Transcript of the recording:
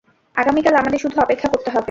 আগামীকাল আমাদের শুধু অপেক্ষা করতে হবে!